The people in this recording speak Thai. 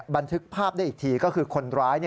บันทึกภาพได้อีกทีก็คือคนร้าย